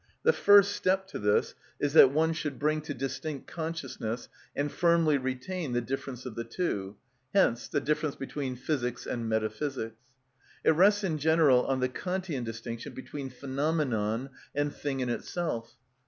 The first step to this is that one should bring to distinct consciousness and firmly retain the difference of the two, hence the difference between physics and metaphysics. It rests in general on the Kantian distinction between phenomenon and thing in itself.